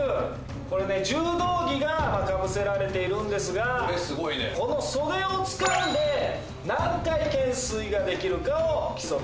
これね柔道着がかぶせられているんですがこの袖をつかんで何回懸垂ができるかを競っていただくということですけども。